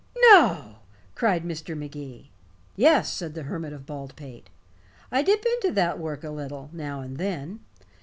"No?" cried Mr. Magee. "Yes," said the Hermit of Baldpate. "I dip into that work a little now and then.